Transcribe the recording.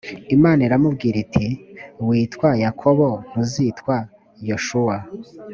imana iramubwira iti witwa yakobo ntuzitwa yoshuwa